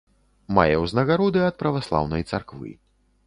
Мае ўзнагароды ад праваслаўнай царквы.